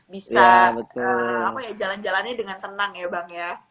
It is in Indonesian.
bisa jalan jalannya dengan tenang ya bang ya